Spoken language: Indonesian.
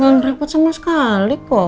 gak ngerepot sama sekali kok